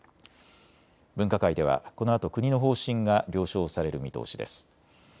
分科会ではこのあと国の方針が了承される見通しです。